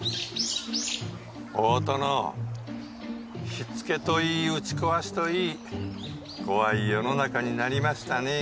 火付けといい打ち壊しといい怖い世の中になりましたねえ。